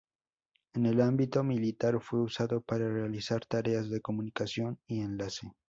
En el ámbito militar fue usado para realizar tareas de comunicación y enlace.